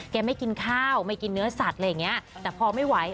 ไม่กินข้าวไม่กินเนื้อสัตว์อะไรอย่างเงี้ยแต่พอไม่ไหว